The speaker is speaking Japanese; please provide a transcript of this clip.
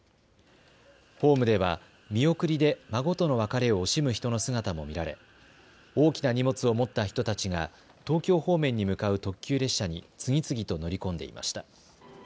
ホームでは見送りで孫との別れを惜しむ人の姿も見られ大きな荷物を持った人たちが東京方面に向かう特急列車に次々と乗り込んでいました。